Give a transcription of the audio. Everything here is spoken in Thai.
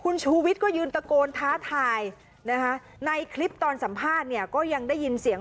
ระหว่างที่ในสันทนะกำลังยืนให้สัมภาษณ์พูดสื่อข่าว